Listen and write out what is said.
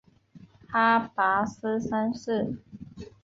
阿拔斯三世。